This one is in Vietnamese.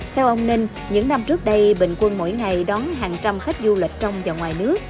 theo ông ninh những năm trước đây bình quân mỗi ngày đón hàng trăm khách du lịch trong và ngoài nước